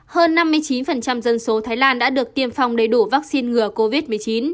hơn năm mươi chín dân số thái lan đã được tiêm phòng đầy đủ vaccine ngừa covid một mươi chín